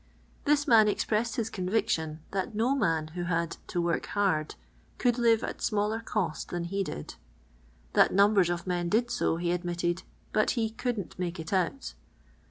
This man expressed his conviction that no man, who had to work hard, could live at smaller co&t than he did. That numbers of men did so. he admitted, but he " couldn't make it out."